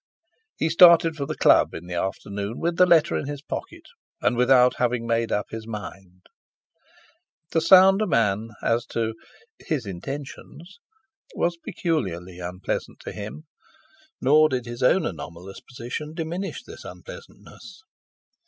He started for the Club in the afternoon with the letter in his pocket, and without having made up his mind. To sound a man as to "his intentions" was peculiarly unpleasant to him; nor did his own anomalous position diminish this unpleasantness.